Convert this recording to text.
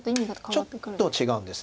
ちょっと違うんです。